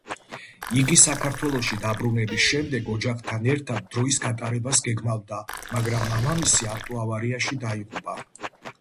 იგი საქართველოში დაბრუნების შემდეგ ოჯახთან ერთად დროის გატარებას გეგმავდა, მაგრამ მამამისი ავტოავარიაში დაიღუპა.